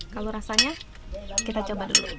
kalau rasanya kita coba dulu